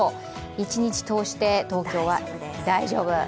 一日通して東京は大丈夫。